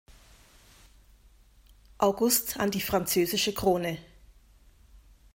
August an die französische Krone.